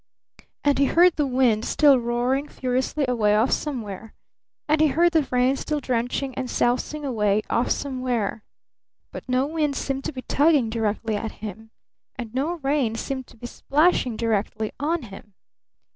And he heard the wind still roaring furiously away off somewhere. And he heard the rain still drenching and sousing away off somewhere. But no wind seemed to be tugging directly at him, and no rain seemed to be splashing directly on him.